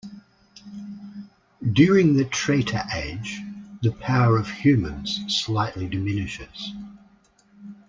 During the Treta Age, the power of humans slightly diminishes.